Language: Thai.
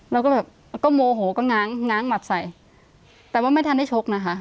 แล้วก็แบบก็โมโหก็ง้างง้างหมัดใส่แต่ว่าไม่ทันได้ชกนะคะ